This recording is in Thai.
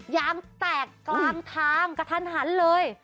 ยางแตกกลางทางกระทันหันเลย